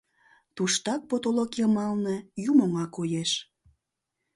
Туштак, потолок йымалне, юмоҥа коеш.